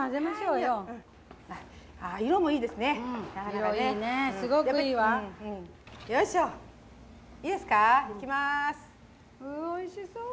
うわおいしそう！